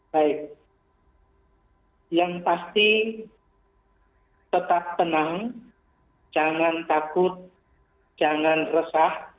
baik yang pasti tetap tenang jangan takut jangan resah